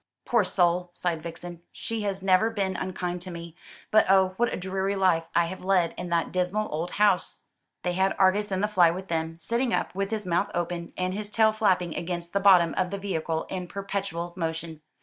"Poor soul!" sighed Vixen; "she has never been unkind to me; but oh! what a dreary life I have led in that dismal old house!" They had Argus in the fly with them, sitting up, with his mouth open, and his tail flapping against the bottom of the vehicle in perpetual motion.